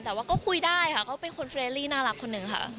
แต่ว่าก็คุยได้ค่ะก็เป็นคนน่ารักนิ่งค่ะ